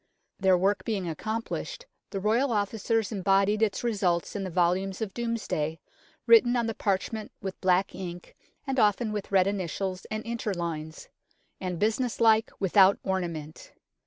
Their work being accomplished, the Royal Officers embodied its results in the volumes of Domesday, written on the parchment with black ink and often with red initials and interlines ; and business like, without ornament.